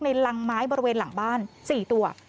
รังไม้บริเวณหลังบ้าน๔ตัว